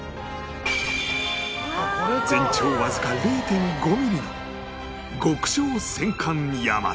全長わずか ０．５ ミリの極小戦艦大和